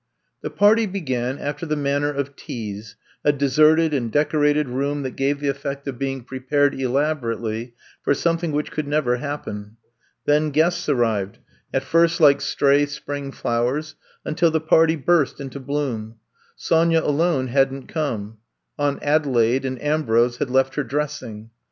The party began after the manner of teas, a deserted and decorated room that gave the effect of being prepared elabor ately for something which could never hap pen. Then guests arrived, at first like stray spring flowers — ^until the party burst into bloom. Sonya alone hadn't come; Aunt Adelaide and Ambrose had left her dressing.